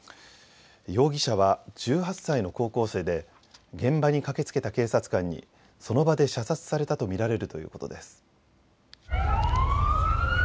容疑者は１８歳の高校生で現場に駆けつけた警察官にその場で射殺されたと見られるということです。